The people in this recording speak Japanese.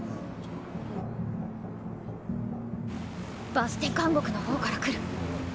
バステ監獄の方から来る。